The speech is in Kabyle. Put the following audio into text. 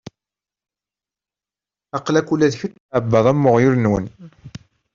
Aql-ak ula d kečč tɛebbaḍ am uɣyul-nwen.